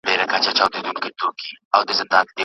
پوهه د زړه رڼا ده.